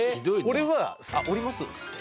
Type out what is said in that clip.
俺は降りますって言って。